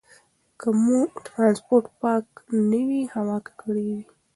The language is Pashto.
که مو ټرانسپورټ پاک نه وي، هوا ککړېږي.